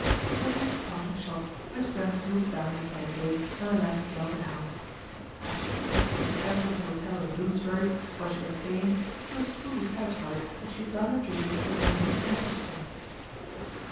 With this parting shot Miss Brent moved down the staircase and left Galvin House. As she stalked to the temperance hotel in Bloomsbury, where she was staying, she was fully satisfied that she had done her duty as a woman and a Christian.